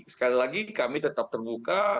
sekali lagi kami tetap terbuka